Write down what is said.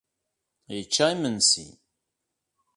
Yečča imensi.